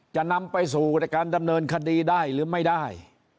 จะนำไปสู่การดำเนินคดีได้หรือไม่ได้